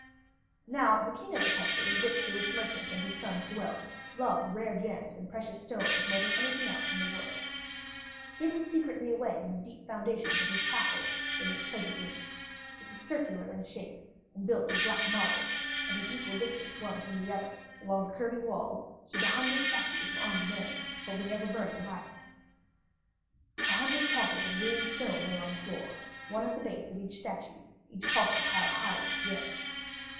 Now the King of the country in which the rich merchant and his son dwelt loved rare gems and precious stones more than anything else in the world. Hidden secretly away in the deep foundations of his castle lay his treasure room: it was circular in shape and built of black marble, and at equal distance one from the other, along the curving wall, stood a hundred statues of armed men, holding ever burning lights. A hundred coffers of green stone lay on the floor, one at the base of each statue, each coffer piled high with gems.